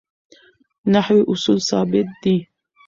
نحوي اصول ثابت دي.